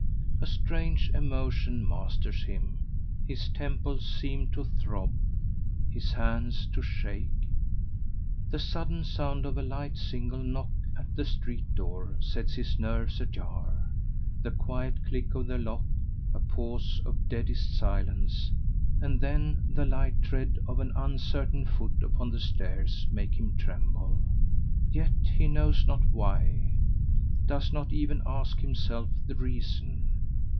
A strange emotion masters him. His temples seem to throb, his hands to shake. The sudden sound of a light single knock at the street door sets his nerves ajar; the quiet click of the lock a pause of deadest silence and then the light tread of an uncertain foot upon the stairs make him tremble; yet he knows not why does not even ask himself the reason.